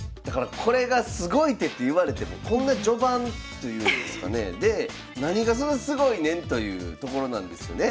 これがすごい手っていわれてもこんな序盤というんですかねえで何がそんなすごいねんというところなんですよね。